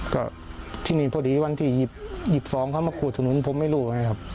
ก็ที่นี่พอดีวันที่หยิบสองเขามาขูดถนนผมไม่รู้ไงครับ